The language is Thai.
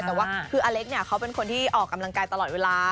แต่ว่าคืออเล็กเนี่ยเขาเป็นคนที่ออกกำลังกายตลอดเวลา